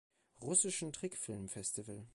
Russischen Trickfilmfestival.